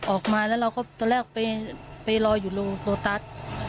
ออกมาแล้วเราก็ตอนแรกไปรออยู่โรงโซตัส